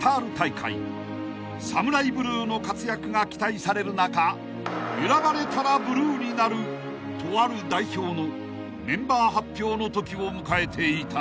［ＳＡＭＵＲＡＩＢＬＵＥの活躍が期待される中選ばれたらブルーになるとある代表のメンバー発表のときを迎えていた］